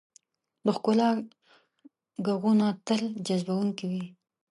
د ښکلا ږغونه تل جذبونکي وي.